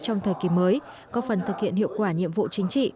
trong thời kỳ mới có phần thực hiện hiệu quả nhiệm vụ chính trị